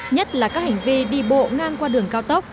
nhất là các hành vi đi bộ ngang qua đường cao tốc